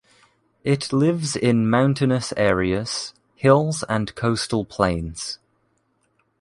it lives in mountainous areas, hills and coastal plains.